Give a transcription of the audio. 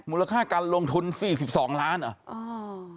มูลค่าการลงทุน๔๒ล้านเหรอ